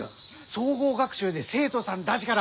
総合学習で生徒さんだぢがら